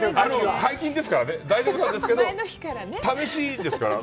解禁ですからね、大丈夫なんですけど、前の日からね。